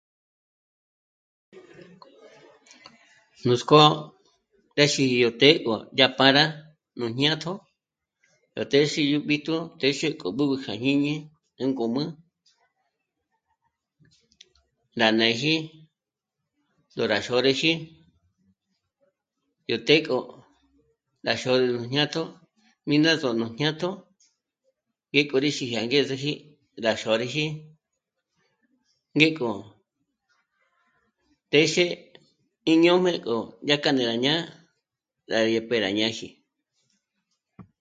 Nuts'k'ó téxi yó të́'ë gó yá pâra nú jñátjo rá téxi yó b'íjtu, téxe k'o b'ǚb'ü kja jñíñi já ngǔm'ü lânají s'ò'o rá xôrüji yó të́'ë k'ó rá xôrü nú jñátjo mí ná zò'o nú jñátjo, ngék'o rí xíji angezeji rá xôrüji ngék'o téxe í ñö̂jme k'o dyájkja né'e rá ñá'a dyá ngé pe rá ñáji